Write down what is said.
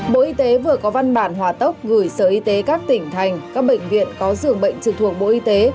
bộ y tế vừa có văn bản hòa tốc gửi sở y tế các tỉnh thành các bệnh viện có dường bệnh trực thuộc bộ y tế